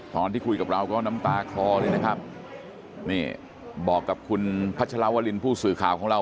ตอนที่คุยกับเราก็น้ำตาคลอเลยนะครับนี่บอกกับคุณพัชรวรินผู้สื่อข่าวของเรา